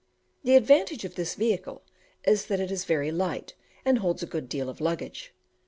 The advantage of this vehicle is that it is very light, and holds a good deal of luggage.